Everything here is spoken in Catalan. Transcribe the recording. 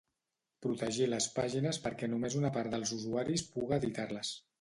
Protegir les pàgines perquè només una part dels usuaris puga editar-les.